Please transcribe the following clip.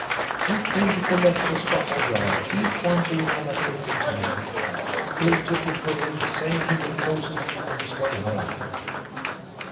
We printed the letter to Scotland Yard, each one doing a letter at a time. Hill took it with him, saying he would post it on his way home.